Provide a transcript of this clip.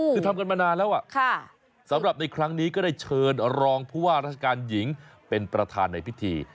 คือทำกันมานานแล้วสำหรับในครั้งนี้ก็ได้เชิญรองผู้ว่าราชการหญิงเป็นประธานในพิธี